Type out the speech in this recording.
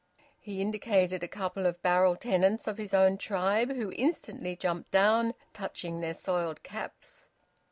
He indicated a couple of barrel tenants of his own tribe, who instantly jumped down, touching their soiled caps.